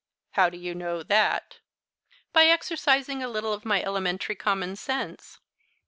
"How do you know that?" "By exercising a little of my elementary common sense.